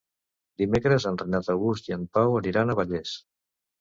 Dimecres en Renat August i en Pau aniran a Vallés.